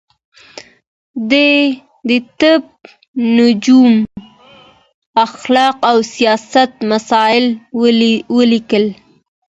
ده د طب، نجوم، اخلاق او سياست مسايل وليکل